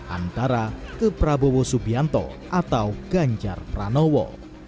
antara ke prabowo subianto atau ganjar pranowo